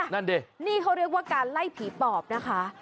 นั่นดินี่เขาเรียกว่าการไล่ผีปอบนะคะ